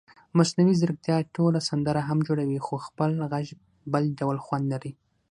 مصنوعي ځیرکتیا ټوله سندره هم جوړوي خو خپل غږ بل ډول خوند لري.